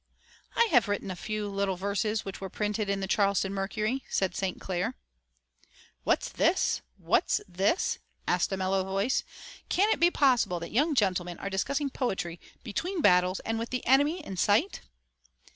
"I have written a few little verses which were printed in the Charleston Mercury," said St. Clair. "What's this? What's this?" asked a mellow voice. "Can it be possible that young gentlemen are discussing poetry between battles and with the enemy in sight?"